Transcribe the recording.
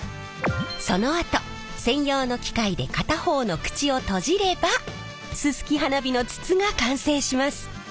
そのあと専用の機械で片方の口を閉じればすすき花火の筒が完成します。